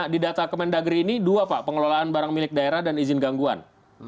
di data kemendagri ini dua pak pengelolaan barang milik daerah dan izin gangguan